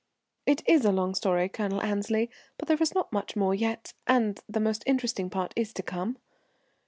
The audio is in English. "It is a long story, Colonel Annesley, but there is not much more, and yet the most interesting part is to come.